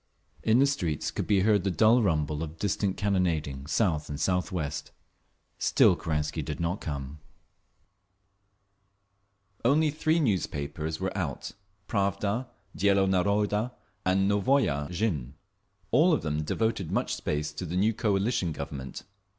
In the streets could be heard the dull rumble of distant cannonading, south and southwest. Still Kerensky did not come… Only three newspapers were out—Pravda, Dielo Naroda and Novaya Zhizn. All of them devoted much space to the new "coalition" Government.